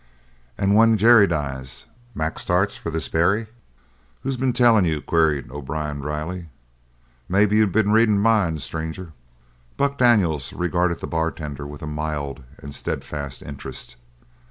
"And when Jerry dies, Mac starts for this Barry?" "Who's been tellin' you?" queried O'Brien dryly. "Maybe you been readin' minds, stranger?" Buck Daniels regarded the bartender with a mild and steadfast interest.